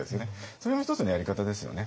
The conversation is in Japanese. それも一つのやり方ですよね。